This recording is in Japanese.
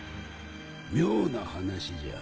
妙な話じゃ。